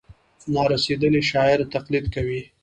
نا رسېدلي شاعر تقلید کوي.